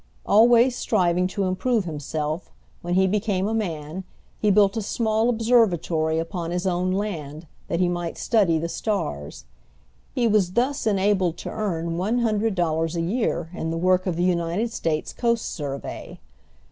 Always striving to improve himself, when he became a man, he built a small observatory upon his own land, that he might study the stars. He was thus enabled to earn one hundred dollars a year in the work of the United States Coast Survey.